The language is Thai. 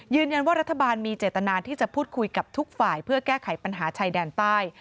รัฐบาลมีเจตนาที่จะพูดคุยกับทุกฝ่ายเพื่อแก้ไขปัญหาชายแดนใต้